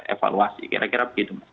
evaluasi kira kira begitu